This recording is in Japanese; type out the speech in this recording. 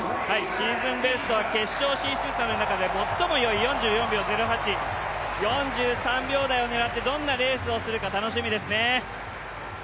シーズンベストは決勝進出者の中で最もよい、４４秒０８、４３秒台を狙ってどんなレースをするか楽しみですね。